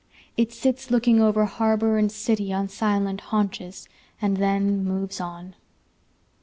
It sits lookingover harbor and cityon silent haunchesand then moves on.